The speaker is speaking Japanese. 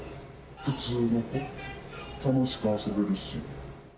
普通の子、楽しく遊べるし。